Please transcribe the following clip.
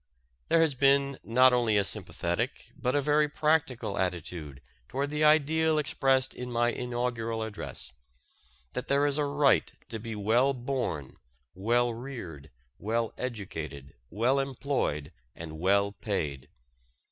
There has been not only a sympathetic but a very practical attitude toward the ideal expressed in my inaugural address, that there is a right to be well born, well reared, well educated, well employed, and well paid.